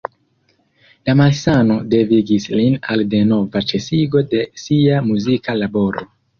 La malsano devigis lin al denova ĉesigo de sia muzika laboro.